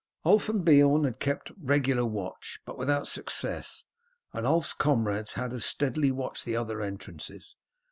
Ulf and Beorn had kept regular watch, but without success, and Ulf's comrades had as steadily watched the other entrances.